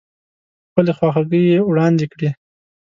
خپلې خواخوږۍ يې واړندې کړې.